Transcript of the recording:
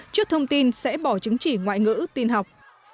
trước thông tin sẽ bỏ chứng chỉ ngoại ngữ tin học